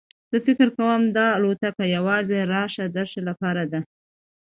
زه فکر کوم دا الوتکه یوازې راشه درشه لپاره ده.